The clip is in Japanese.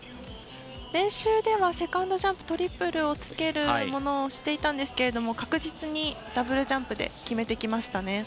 練習ではセカンドジャンプトリプルをつけるものをしていましたが確実にダブルジャンプで決めてきましたね。